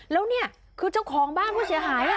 แล้วนี่คือเจ้าของบ้านผู้เสียหาย